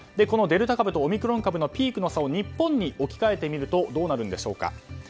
このデルタ株とオミクロン株のピークの差を日本に置き換えてみるとどうなるんでしょうか。